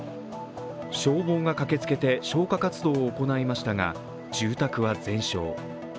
消防が駆けつけて消火活動を続けましたが２階は全焼。